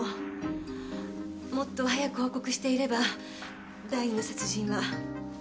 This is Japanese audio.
もっと早く報告していれば第二の殺人は。